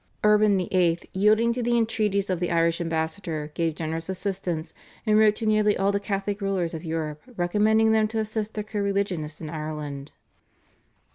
Urban VIII., yielding to the entreaties of the Irish ambassador gave generous assistance, and wrote to nearly all the Catholic rulers of Europe recommending them to assist their co religionists in Ireland.